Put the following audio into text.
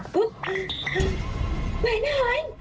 ปุ๊บอ้าวไหน